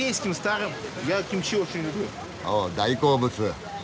おお大好物！